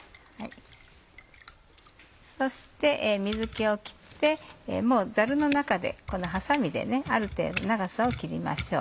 そして水気を切ってザルの中でハサミである程度長さを切りましょう。